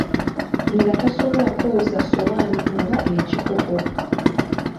Nga tasobola kwoza ssowaani oba ekikopo.